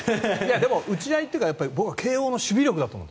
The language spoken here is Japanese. でも、打ち合いというか僕は慶応の守備力だと思う。